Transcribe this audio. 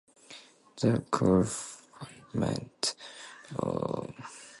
The requirement of simultaneous arrests was also reversed.